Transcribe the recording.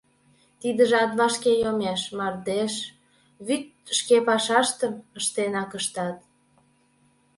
Тидыжат вашке йомеш, мардеж, вӱд шке пашаштым ыштенак ыштат.